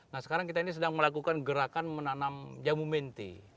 nah sekarang kita ini sedang melakukan gerakan menanam jamu mente